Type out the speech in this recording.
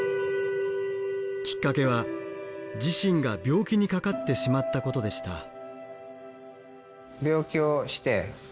きっかけは自身が病気にかかってしまったことでした。